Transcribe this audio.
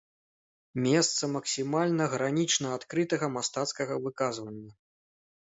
Месца максімальна, гранічна адкрытага мастацкага выказвання.